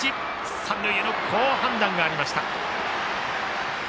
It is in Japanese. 三塁送球の好判断がありました。